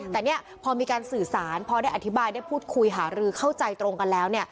แต่พอมีการสื่อสารพอได้อธิบายได้พูดคุยหารือเข้าใจตรงกันแล้ว